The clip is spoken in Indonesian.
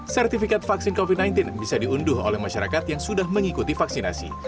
sertifikat vaksin covid sembilan belas bisa diunduh oleh masyarakat yang sudah mengikuti vaksinasi